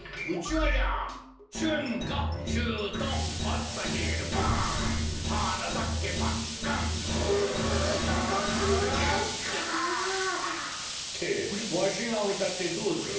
ってわしがうたってどうする。